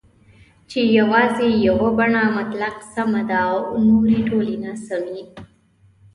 چې یوازې یوه بڼه مطلق سمه ده او نورې ټولې ناسمي